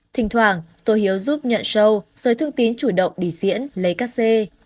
thỉnh thoảng tô hiếu giúp nhận sâu rồi thương tín chủ động đi diễn lấy các xe